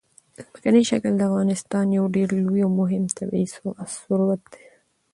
ځمکنی شکل د افغانستان یو ډېر لوی او مهم طبعي ثروت دی.